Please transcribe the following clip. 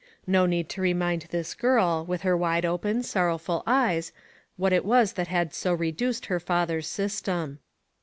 No need to remind this girl, with her wide open, sorrowful eyes, what it was that had so reduced her father's system.